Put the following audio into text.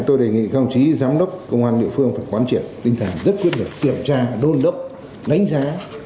tôi đề nghị các ông chí giám đốc công an địa phương phải quán triển tinh thản rất quyết định kiểm tra đôn đốc đánh giá